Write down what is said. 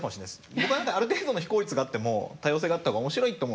僕はある程度の非効率があっても多様性があった方が面白いと思う。